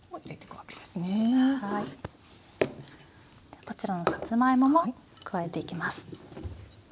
こちらのさつまいもも加えていきます。